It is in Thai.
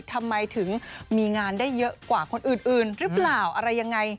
ทำไมถึงมีงานได้เยอะกว่าคนอื่นหรือเปล่าอะไรยังไง